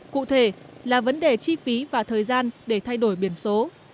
cụ thể là vấn đề chi phí và thời gian để thay đổi biển số